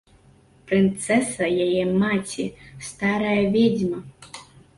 Прынцэса, яе маці, старая ведзьма.